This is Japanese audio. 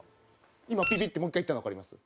今ピピッてもう１回いったのわかります？